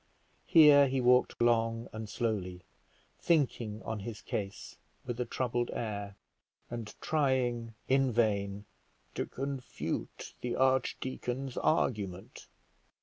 Here he walked long and slowly, thinking on his case with a troubled air, and trying in vain to confute the archdeacon's argument.